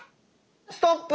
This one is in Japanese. ストップ。